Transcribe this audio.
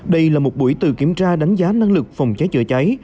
đây là một buổi từ kiểm tra đánh giá năng lực phòng cháy chữa cháy